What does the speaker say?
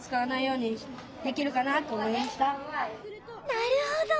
なるほど！